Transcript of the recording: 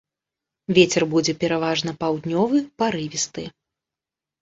Вецер будзе пераважна паўднёвы парывісты.